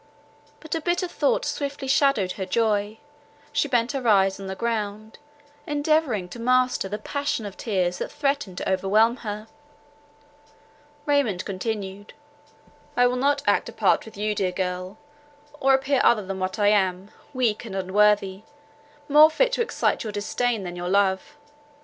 But a bitter thought swiftly shadowed her joy; she bent her eyes on the ground, endeavouring to master the passion of tears that threatened to overwhelm her. Raymond continued, "I will not act a part with you, dear girl, or appear other than what I am, weak and unworthy, more fit to excite your disdain than your love.